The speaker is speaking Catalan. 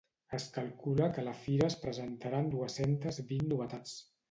Es calcula que a la fira es presentaran dues-centes vint novetats.